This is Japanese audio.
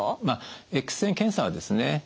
まあＸ線検査はですね